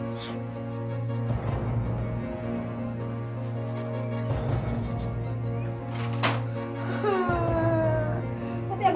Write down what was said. ya udah sekarang lanjutkan haji lagi